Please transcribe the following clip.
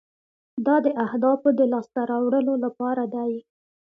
دا د اهدافو د لاسته راوړلو لپاره دی.